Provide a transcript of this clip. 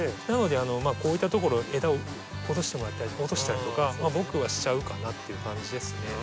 なのでこういったところ枝を落としてもらったりとか僕はしちゃうかなっていう感じですね。